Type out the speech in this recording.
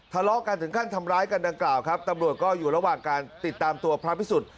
ทะเลาะกันถึงขั้นทำร้ายกันดังกล่าวครับตำรวจก็อยู่ระหว่างการติดตามตัวพระพิสุทธิ์